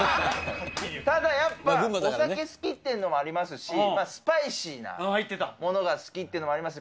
ただやっぱ、お酒好きっていうのもありますし、スパイシーなものが好きっていうのもあります。